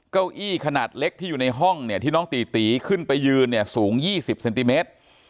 เก้าอี้ขนาดเล็กที่อยู่ในห้องเนี่ยที่น้องตีตีขึ้นไปยืนเนี่ยสูง๒๐เซนติเมตร